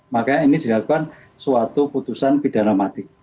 makanya ini dilakukan suatu putusan pidana mati